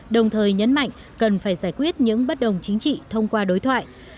đồng thời nhấn mạnh cần phải giải quyết những bất đồng chính trị thông qua đối thoại